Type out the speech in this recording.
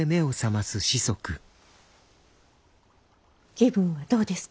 気分はどうですか？